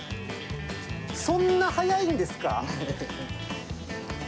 そんな速いんですか？